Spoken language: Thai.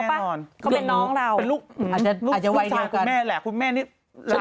เขาเป็นน้องเราปะเขาเป็นน้องเราเป็นลูกลูกสาวแม่แหละคุณแม่นี่รักมาก่อน